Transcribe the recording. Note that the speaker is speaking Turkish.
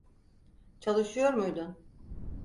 Çalışıyor muydun?